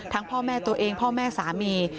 พ่อแม่ตัวเองพ่อแม่สามี